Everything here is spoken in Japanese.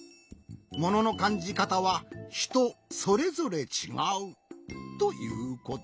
もののかんじかたはひとそれぞれちがう。ということ。